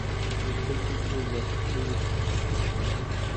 زده کړې ته لاسرسی د ښځو حق دی.